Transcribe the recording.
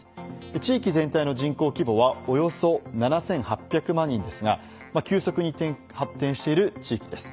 地域全体の人口規模はおよそ７８００万人ですが急速に発展している地域です。